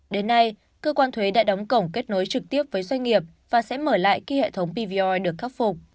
đến nay cơ quan thuế đã đóng cổng kết nối trực tiếp với doanh nghiệp và sẽ mở lại khi hệ thống pvoi được khắc phục